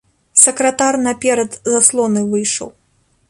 Сакратар наперад заслоны выйшаў.